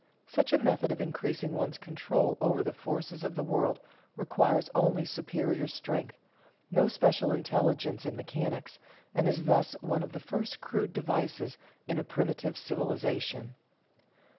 Such a method of increasing one's control over the forces of the world requires only superior strength, no special intelligence in mechanics, and is thus one of the first crude devices in a primitive civilization.